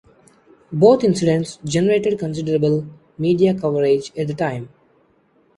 Both incidents generated considerable media coverage at the time.